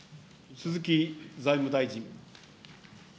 鈴木財務大臣。